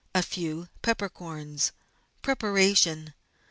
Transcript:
A few peppercorns. Preparation.